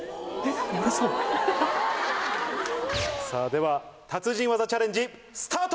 では達人技チャレンジスタート！